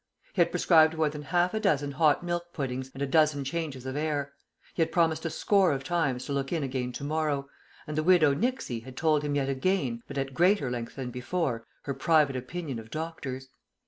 He had prescribed more than half a dozen hot milk puddings and a dozen changes of air; he had promised a score of times to look in again to morrow; and the Widow Nixey had told him yet again, but at greater length than before, her private opinion of doctors.